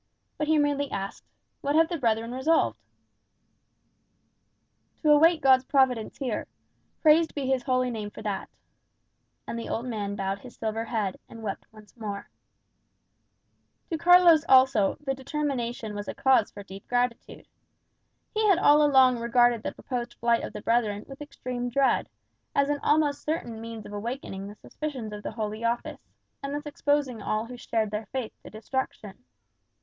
But he merely asked, "What have the brethren resolved?" "To await God's providence here. Praised be his holy name for that." And the old man bowed his silver head, and wept once more. To Carlos also the determination was a cause for deep gratitude. He had all along regarded the proposed flight of the brethren with extreme dread, as an almost certain means of awakening the suspicions of the Holy Office, and thus exposing all who shared their faith to destruction.